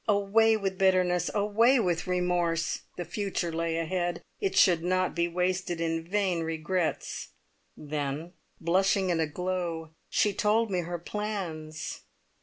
Away with bitterness, away with remorse, the future lay ahead, it should not be wasted in vain regrets. Then, blushing and aglow, she told me her plans.